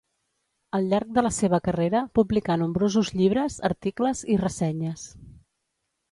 Al llarg de la seva carrera, publicà nombrosos llibres, articles i ressenyes.